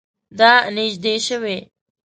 دا نژدې شوی؟